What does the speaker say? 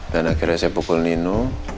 dan akhirnya saya pukul nino